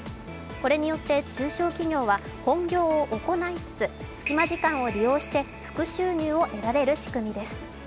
これによって、中小企業は本業を行いつつ隙間時間を利用して副収入を得られる仕組みです。